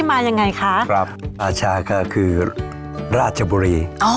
เอาอย่างนี้ดีกว่าขออนุญาตคุณอาเดี๋ยวไปนั่งคุยกันนะคะ